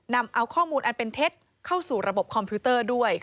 นำเอาข้อมูลอันเป็นเท็จเข้าสู่ระบบคอมพิวเตอร์ด้วย